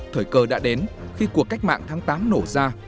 thời cơ đã đến khi cuộc cách mạng tháng tám nổ ra